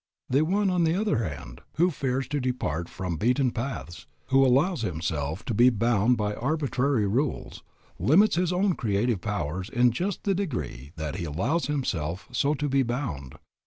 The one, on the other hand, who fears to depart from beaten paths, who allows himself to be bound by arbitrary rules, limits his own creative powers in just the degree that he allows himself so to be bound.